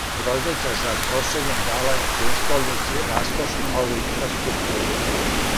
Грозница за трошењем дала је пријестолници раскошну нову инфраструктуру.